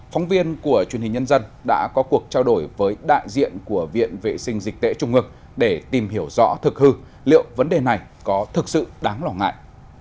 phóng viên của truyền hình nhân dân đã có cuộc trao đổi với đại diện của viện vệ sinh dịch tễ trung ước để tìm hiểu rõ thực hư liệu vấn đề này có thực sự đáng lo ngại